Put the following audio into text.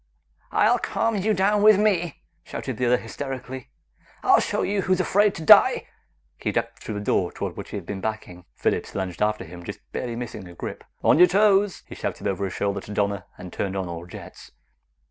"I'll calm you down with me!" shouted the other hysterically. "I'll show you who's afraid to die!" He ducked through the door toward which he had been backing. Phillips lunged after him, just barely missing a grip. "On your toes!" he shouted over his shoulder to Donna, and turned on all jets.